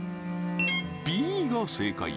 Ｂが正解